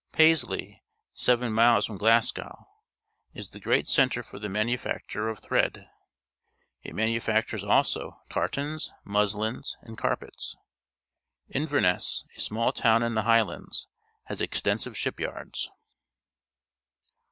Paisley, seven miles from Glasgow, is the great centre for the manufacture of thread. It manu factures also tartans, musUns, and carpets. Inverness, a small town in the Highlands, has extensive shipj ards.